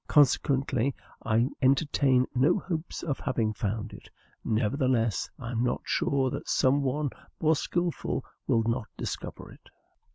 Consequently, I entertain no hopes of having found it; nevertheless, I am not sure that some one more skilful will not discover it.